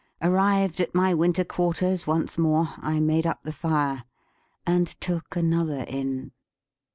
Arrived at my winter quarters once more, I made up the fire, and took another Inn.